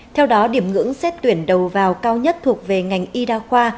theo đó điểm ngưỡng xét tuyển đầu vào cao nhất thuộc về ngành y đa khoa